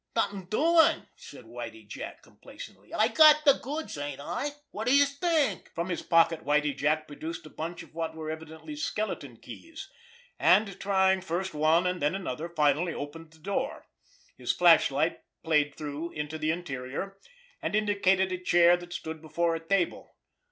"Nothin' doin'!" said Whitie Jack complacently. "I got de goods, ain't I? Wot d'youse think!" From his pocket Whitie Jack produced a bunch of what were evidently skeleton keys; and, trying first one and then another, finally opened the door. His flashlight played through into the interior, and indicated a chair that stood before a table.